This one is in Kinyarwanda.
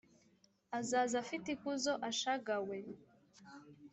Azaza afite ikuzo ashagawe